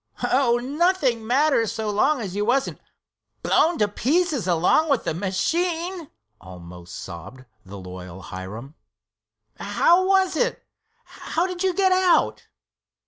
"Oh, nothing matters so long as you wasn't blown to pieces along with the machine," almost sobbed the loyal Hiram. "How was it—how did you get out?"